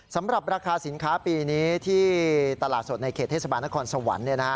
สำหรับราคาสินค้าปีนี้ที่ตลาดสดในเขตเทศบาลนครสวรรค์